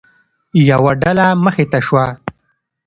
یوه ډله مخې ته شوه.